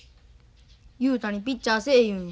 雄太にピッチャーせえ言うんや。